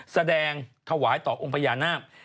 แสดงถวายต่อองค์พญานาค